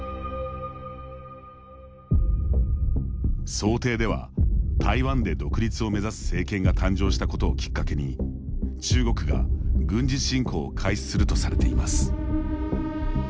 想定では、台湾で独立を目指す政権が誕生したことをきっかけに中国が軍事侵攻を開始するとされています。